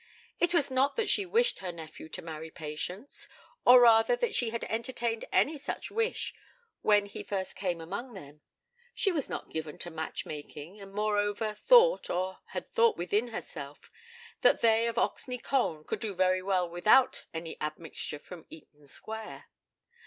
It was not that she wished her nephew to marry Patience, or rather that she had entertained any such wish when he first came among them. She was not given to match making, and moreover thought, or had thought within herself, that they of Oxney Colne could do very well without any admixture from Eaton Square.